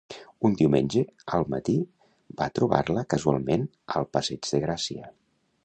Un diumenge al matí va trobar-la casualment al passeig de Gràcia.